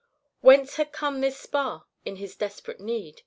Whence had come this spar in his desperate need?